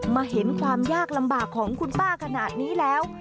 มาเห็นความยากลำบากของคุณป้าขนาดนี้แล้ว